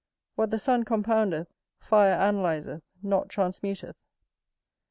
What the sun compoundeth, fire analyzeth, not transmuteth.